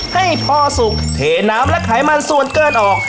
ให้พอสุกเทน้ำและไขมันส่วนเกินออก